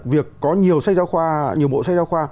việc có nhiều bộ sách giáo khoa